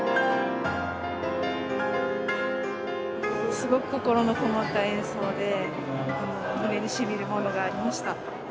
すごく心のこもった演奏で、胸にしみるものがありました。